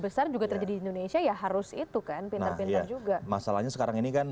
besar juga terjadi di indonesia ya harus itu kan pintar pintar juga masalahnya sekarang ini kan